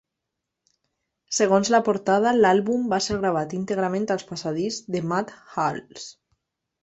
Segons la portada, l'àlbum va ser gravat íntegrament al passadís de Matt Hales.